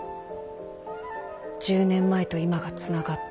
１０年前と今がつながった。